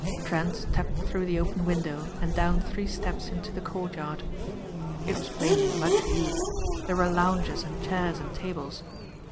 Trent stepped through the open window and down three steps into the courtyard. It was plainly much used. There were lounges and chairs and tables.